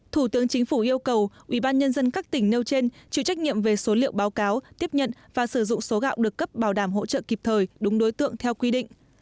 thủ tướng chính phủ yêu cầu ubnd các tỉnh nêu trên chịu trách nhiệm về số liệu báo cáo tiếp nhận và sử dụng số gạo được cấp bảo đảm hỗ trợ kịp thời đúng đối tượng theo quy định